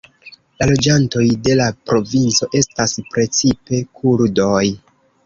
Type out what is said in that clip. La loĝantoj de la provinco estas precipe kurdoj.